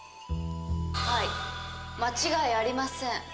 はい間違いありません。